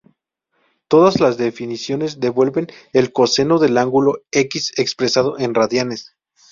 Todas las definiciones devuelven el coseno del ángulo "x" expresado en radianes.